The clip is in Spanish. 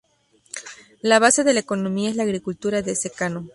La base de la economía es la agricultura de secano.